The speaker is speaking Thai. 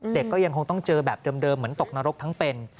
ก็ยังคงต้องเจอแบบเดิมเหมือนตกนรกทั้งเป็น